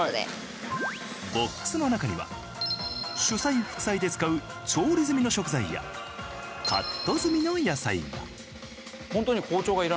ボックスの中には主菜副菜で使う調理済みの食材やカット済みの野菜が。